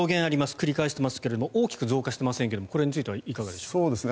繰り返していますが大きく増えてはいませんがこれについてはいかがでしょうか。